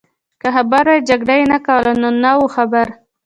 که خبر وای جګړه يې نه کول، نو نه وو خبر.